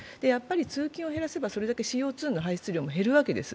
通勤を減らせばそれだけＣＯ２の排出量も減るわけです。